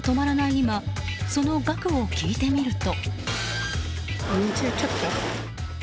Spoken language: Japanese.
今その額を聞いてみると。